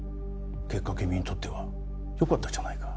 結果君にとってはよかったじゃないか